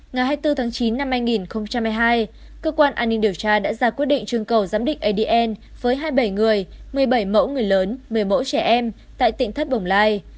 ngày hai mươi bốn tháng chín năm hai nghìn hai mươi hai cơ quan an ninh điều tra đã ra quyết định chương cầu giám định adn với hai mươi bảy người một mươi bảy mẫu người lớn một mươi mẫu trẻ em tại tỉnh thất bồng lai